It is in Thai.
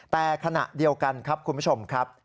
แต่ขณะเดียวกันครับคุณผู้ชมครับ